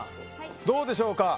どうでしょうか。